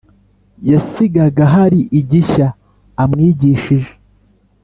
yasigaga hari igishya amwigishije.